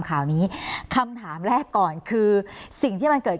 คุณจอมขอบพระคุณครับ